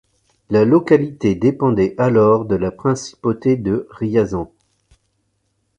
La localité dépendait alors de la principauté de Riazan.